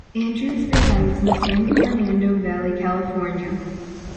Andrews resides in San Fernando Valley, California.